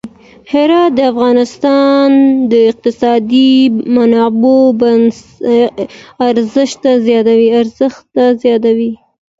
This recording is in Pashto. هرات د افغانستان د اقتصادي منابعو ارزښت زیاتوي.